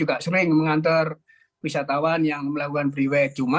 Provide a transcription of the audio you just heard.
atau memang sebenarnya hanya khusus yang sudah melewati tahapan perizinan dan yang lainnya